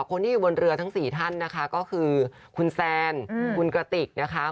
คนที่อยู่บนเรือทั้ง๔ท่านนะคะก็คือคุณแซนคุณกระติกนะคะ